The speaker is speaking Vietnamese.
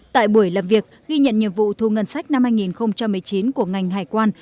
tại buổi làm việc ghi nhận nhiệm vụ thu ngân sách năm hai nghìn một mươi chín của ngành hải quan